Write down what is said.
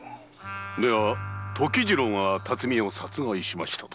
では時次郎が巽屋を殺害しましたと？